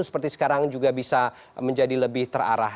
seperti sekarang juga bisa menjadi lebih terarah